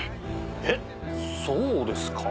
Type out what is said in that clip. えっそうですか？